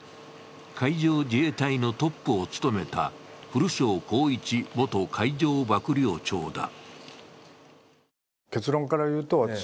海上自衛隊のトップを務めた古庄幸一元海上幕僚長だ。